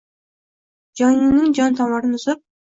Joningning jon tomirin uzib